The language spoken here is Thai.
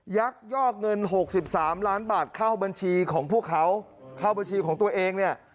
ยักยอกเงิน๖๓ล้านบาทเข้าบัญชีของพวกเขาเข้าบัญชีของตัวเองเนี่ย